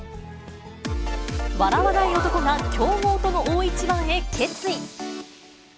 笑わない男が強豪との大一番へ決意。